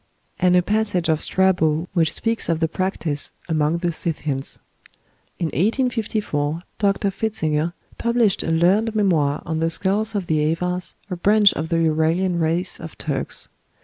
and a passage of Strabo, which speaks of the practice among the Scythians. In 1854 Dr. Fitzinger published a learned memoir on the skulls of the Avars, a branch of the Uralian race of Turks.